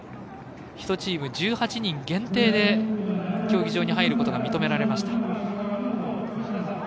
１チーム１８人限定で競技場に入ることが認められました。